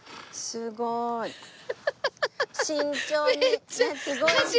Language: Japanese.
すごい。